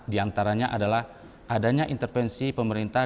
diantaranya adalah adanya intervensi pemerintah